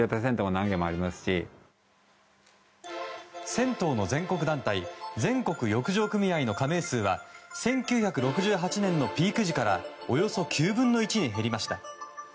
銭湯の全国団体全国浴場組合の加盟数は１９６８年のピーク時からおよそ９分の１に減りました。